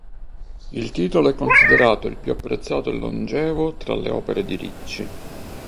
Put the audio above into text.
Il titolo è considerato "il più apprezzato e longevo" tra le opere di Ricci.